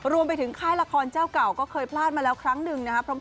รวมไปถึงค่ายละครเจ้าเก่าก็เคยพลาดมาแล้วครั้งหนึ่งนะครับ